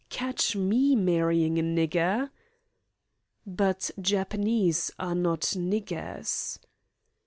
Catch me marrying a nigger." "But Japanese are not niggers."